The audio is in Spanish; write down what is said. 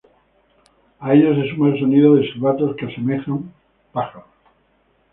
A ello se suma el sonido de silbatos que semejan pájaros.